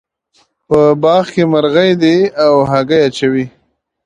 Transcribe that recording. په باغ کې مرغۍ دي او هګۍ اچوې